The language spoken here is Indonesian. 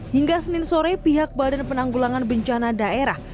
hingga senin sore pihak badan penanggulangan bencana daerah